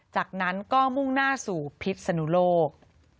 จากนั้นก็มุ่งหน้าสู่พิษนุโลก